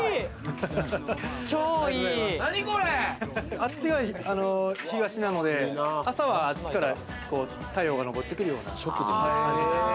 あっちが東なので朝はあっちから太陽が昇ってくるような。